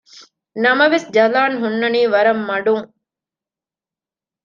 ނަމަވެސް ޖަލާން ހުންނަނީ ވަރަށް މަޑުން